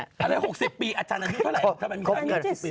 อะไร๖๐ปีอาจารย์อายุเท่าไหร่